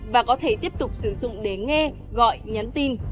và có thể tiếp tục sử dụng để nghe gọi nhắn tin